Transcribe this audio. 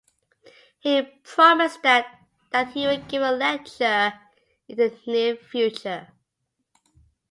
He promised that he would give a lecture in the near future.